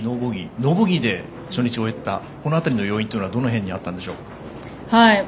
ノーボギーで初日終えたこの辺りの要因というのはどの辺にあったんでしょう。